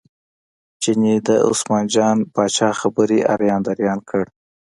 چیني د عثمان جان پاچا خبرې اریان دریان کړ.